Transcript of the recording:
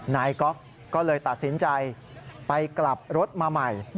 นายกอล์ฟก็เลยตัดสินใจไปกลับรถมาใหม่